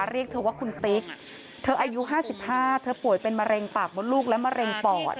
เรียกเธอว่าคุณติ๊กเธออายุ๕๕เธอป่วยเป็นมะเร็งปากมดลูกและมะเร็งปอด